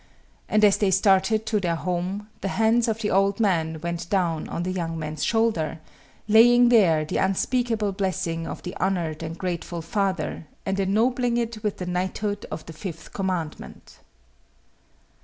And as they started to their home, the hands of the old man went down on the young man's shoulder, laying there the unspeakable blessing of the honored and grateful father and ennobling it with the knighthood of the fifth commandment.